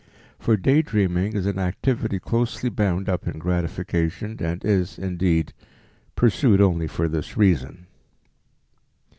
For day dreaming is an activity closely bound up in gratification and is, indeed, pursued only for this reason.